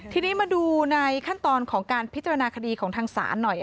ทีนี้มาดูในขั้นตอนของการพิจารณาคดีของทางศาลหน่อย